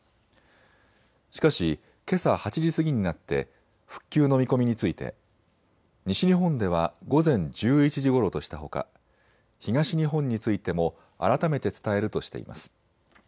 しかし、けさ８時過ぎになって復旧の見込みについて西日本では午前１１時ごろとしたほか東日本についても改めて伝えるとしています。